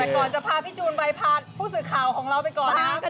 แต่ก่อนจะพาพี่จูนไปพาผู้สื่อข่าวของเราไปก่อนนะครับ